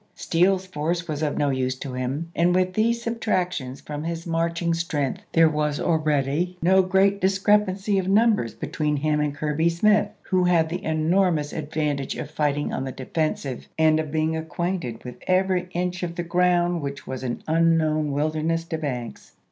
Steele's force was of no use to him, and with these subtractions from his marching strength there was already no great discrepancy of numbers be tween him and Kirby Smith, who had the enor mous advantage of fighting on the defensive and of being acquainted with every inch of the ground which was an unknown wilderness to Banks.